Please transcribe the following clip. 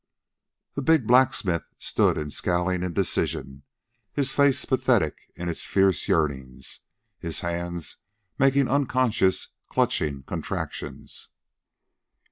The big blacksmith stood in scowling indecision, his face pathetic in its fierce yearning, his hands making unconscious, clutching contractions.